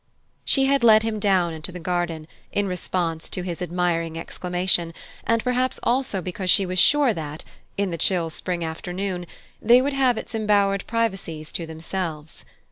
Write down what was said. She had led him down into the garden, in response to his admiring exclamation, and perhaps also because she was sure that, in the chill spring afternoon, they would have its embowered privacies to themselves.